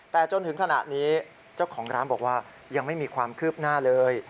แต่จนถึงขณะนี้เจ้าของร้านบอกว่ายังไม่มีความคืบหน้าเลย